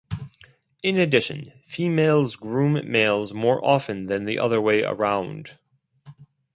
In addition, females groom males more often than the other way around.